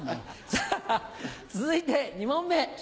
さぁ続いて２問目。